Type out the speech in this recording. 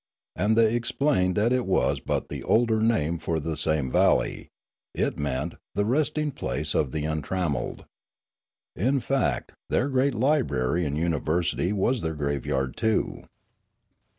And they explained that it was but the older name for the same valley; it meant " the resting place of the untrammelled." In fact, their great library and university was their grave yard too.